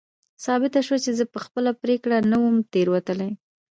ثابته شوه چې زه په خپله پرېکړه نه وم تېروتلی.